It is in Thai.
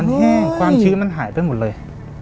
มันแห้งความชื้นมันหายไปหมดเลย